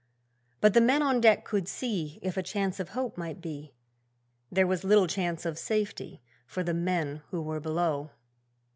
But the men on deck could see If a chance of hope might be There was little chance of safety for the men who were below.